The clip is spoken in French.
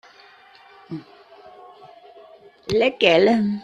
Lesquelles ?